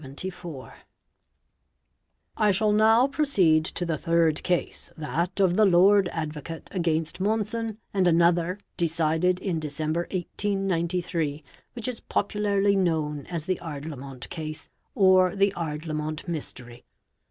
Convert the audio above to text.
"T shall now proceed to the third case, that of the Lord Advocate against Monson and another, decided in December 1893, which is popu larly known as the Ardlamont case, or the Ardlamont Mystery.